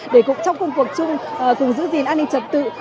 để cũng trong công cuộc chung cùng giữ gìn an ninh trật tự